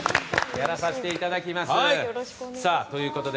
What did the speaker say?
やらさせていただきます。